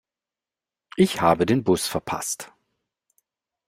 Ich habe den Bus verpasst.